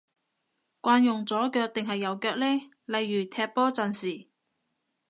慣用左腳定係右腳呢？例如踢波陣時